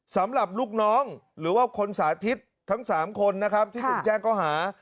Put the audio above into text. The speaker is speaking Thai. สำหรับลูกน้องหรือว่าคนสาธิตทั้ง๓คนนะครับที่ถูกแจ้งก็หา